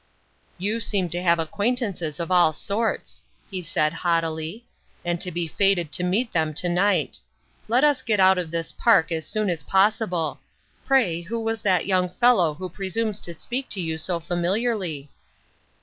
" You seem to have acquaintances of all sorts," he said haughtily, " and to be fated to meet them to night. Let us get out of this park as soon as possible. Pray who was that young fellow who presumes to speak to you so familiarly